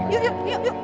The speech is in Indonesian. yuk yuk yuk